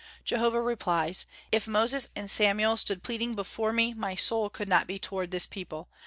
Jehovah replies: "If Moses and Samuel stood pleading before me, my soul could not be toward this people.